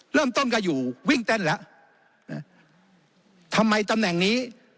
เริ่มต้นกันอยู่วิ่งเต้นแล้วนะทำไมตำแหน่งนี้